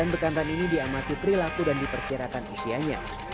bekantan ini diamati perilaku dan diperkirakan usianya